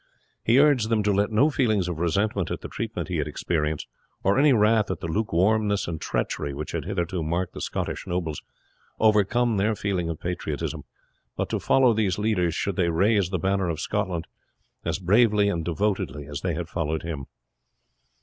He urged them to let no feelings of resentment at the treatment he had experienced, or any wrath at the lukewarmness and treachery which had hitherto marked the Scottish nobles, overcome their feeling of patriotism, but to follow these leaders should they raise the banner of Scotland, as bravely and devotedly as they had followed him.